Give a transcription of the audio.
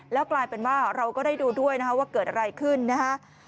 แล้วกลายเป็นว่าเราก็ได้ดูด้วยนะครับว่าเกิดอะไรขึ้นนะฮะ